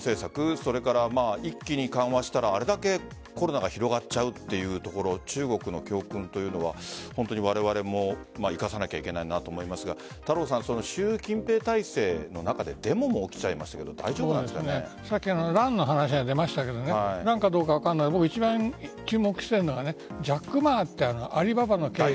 それから一気に緩和したらあれだけコロナが広がっちゃうというところを中国の教訓というのはわれわれも生かさなければいけないなと思いますが習近平体制の中でデモも起きちゃいましたけど潤の話が出ましたが一番注目したいのはジャック・マーというアリババの経営者。